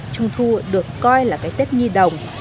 trung thu được coi là cái tết nhi đồng